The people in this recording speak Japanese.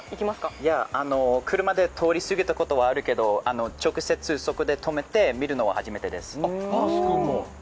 いや、車で通り過ぎたことはあるけど直接、そこで見るのは初めてです。